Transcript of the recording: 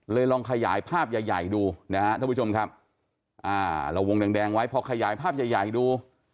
ลองขยายภาพใหญ่ใหญ่ดูนะฮะท่านผู้ชมครับอ่าเราวงแดงแดงไว้พอขยายภาพใหญ่ใหญ่ดู